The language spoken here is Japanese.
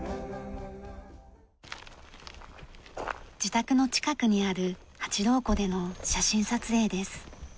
自宅の近くにある八郎湖での写真撮影です。